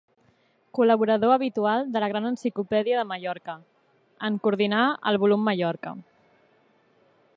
Col·laborador habitual de la Gran Enciclopèdia de Mallorca, en coordinà el volum Mallorca.